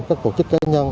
các cụ chức cá nhân